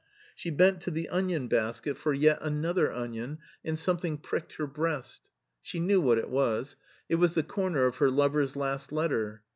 She bent to the onion basket for i6 MARTIN SCHULER yet another onion, and something pricked her breast. She knew what it was : it was the comer of her lover^s last letter.